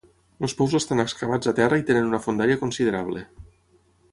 Els pous estan excavats a terra i tenen una fondària considerable.